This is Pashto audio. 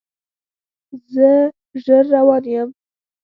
زه ژر روان یم